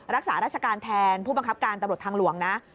รักษาราชการแทนผู้บังคับการตำรวจทางหลวงนะ